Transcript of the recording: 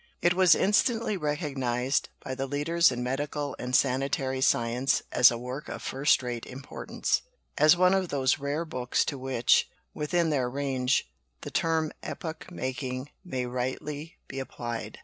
It was instantly recognized by the leaders in medical and sanitary science as a work of first rate importance; as one of those rare books to which, within their range, the term epoch making may rightly be applied.